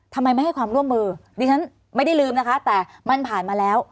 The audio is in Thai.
ทำไมไม่ให้ความร่วมมือดิฉันไม่ได้ลืมนะคะแต่มันผ่านมาแล้ว